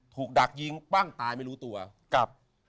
ดักยิงปั้งตายไม่รู้ตัวกับ